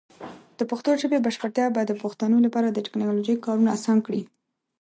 د پښتو ژبې بشپړتیا به د پښتنو لپاره د ټیکنالوجۍ کارونه اسان کړي.